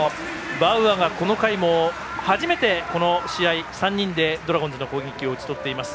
バウアーが、この回も初めて、この試合３人でドラゴンズの攻撃を打ち取っています。